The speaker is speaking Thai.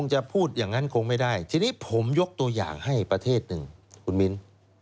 จะพูดอย่างนั้นคงไม่ได้ทีนี้ผมยกตัวอย่างให้ประเทศหนึ่งคุณมิ้น